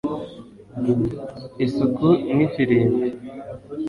isuku nk'ifirimbi